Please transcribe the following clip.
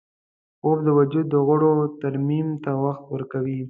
خوب د وجود د غړو ترمیم ته وخت ورکوي